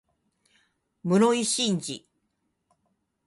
室井慎次